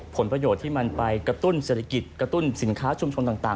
ผลประโยชน์ที่มันไปกระตุ้นเศรษฐกิจกระตุ้นสินค้าชุมชนต่าง